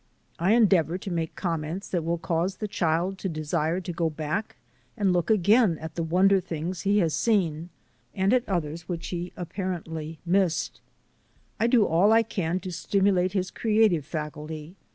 I en deavour to make comments that will cause the child to desire to go back and look again at the wonder things he has seen and at others which he appar ently missed. I do all I can to stimulate his creative faculty.